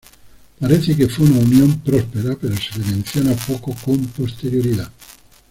Parece que fue una unión próspera, pero se la menciona poco con posterioridad.